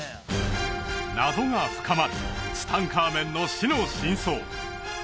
謎が深まるツタンカーメンの死の真相